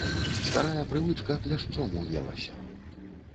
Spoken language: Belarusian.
Старая прывычка кляшчом уелася.